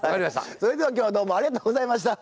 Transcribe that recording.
それでは今日はどうもありがとうございました。